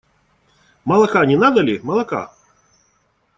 Молока не надо ли, молока?